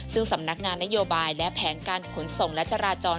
ซึ่งสำนักงานนโยบายและแผนการขนส่งและจราจร